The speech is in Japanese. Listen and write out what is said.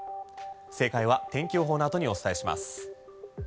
正解は天気予報のあとにお伝えします。